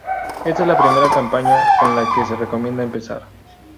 Esta es la primera campaña, con la que se recomienda empezar.